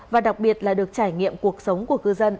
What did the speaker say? và đặc biệt là được trải nghiệm cuộc sống của cư dân